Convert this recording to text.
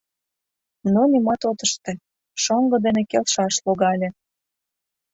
Но нимат от ыште, шоҥго дене келшаш логале.